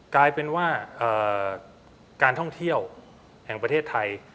กลายเป็นว่าการท่องเที่ยวแห่งประเทศไทย